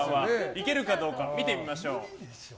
いけるかどうか、見てみましょう。